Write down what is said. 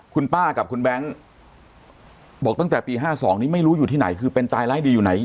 คุณป้ากับคุณแบงค์บอกตั้งแต่ปี๕๒นี้ไม่รู้อยู่ที่ไหนคือเป็นตายร้ายดีอยู่ไหน